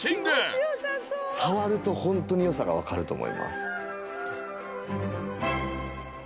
触るとホントに良さがわかると思います。